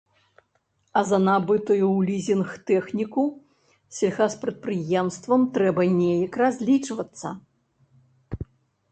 А за набытую ў лізінг тэхніку сельгаспрадпрыемствам трэба неяк разлічвацца.